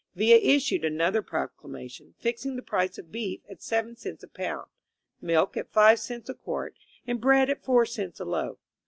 Villa issued another proclamation, fixing the price of beef at seven cents a pound, milk at five cents a quart, and bread at four cents a loaf.